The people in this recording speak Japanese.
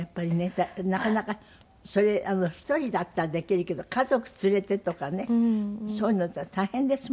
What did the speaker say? だってなかなかそれ１人だったらできるけど家族連れてとかねそういうのって大変ですものね。